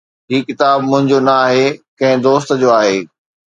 هي ڪتاب منهنجو نه آهي، ڪنهن دوست جو آهي